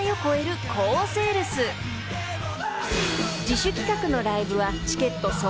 ［自主企画のライブはチケット即完が続出］